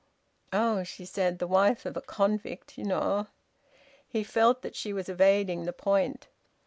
"Oh!" she said. "The wife of a convict... you know!" He felt that she was evading the point.